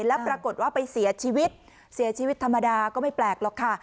แล้วปรากฏว่าไปเสียชีวิตเสียชีวิตธรรมดาก็ไม่แปลกหรอกค่ะ